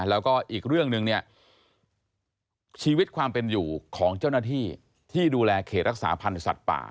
แล้วก็อีกเรื่องหนึ่งเนี่ยชีวิตความเป็นอยู่ของเจ้าหน้าที่ที่ดูแลเขตรักษาพันธ์สัตว์ป่า